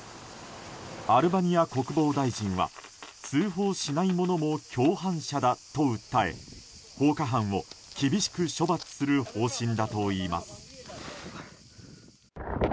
アルバニア国防大臣は通報しない者も共犯者だと訴え放火犯を厳しく処罰する方針だといいます。